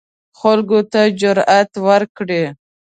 خلکو ته جرئت ورکړي